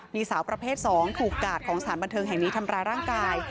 มีสาวประเภท๒ถูกกาดของสถานบันเทิงแห่งนี้ทำร้ายร่างกาย